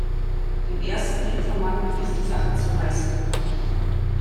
Dem ersten Informanten ist die Sache zu heiß geworden.